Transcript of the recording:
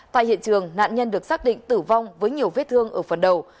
tại hiện trường nạn nhân được xác định tử vong với nhiều vết thương ở phần đầu